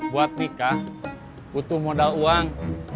buat nikah butuh modal uang